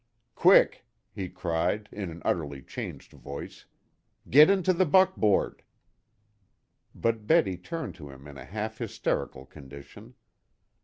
"Quick!" he cried, in an utterly changed voice, "get into the buckboard!" But Betty turned to him in a half hysterical condition.